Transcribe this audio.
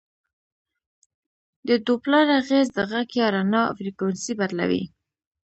د ډوپلر اغېز د غږ یا رڼا فریکونسي بدلوي.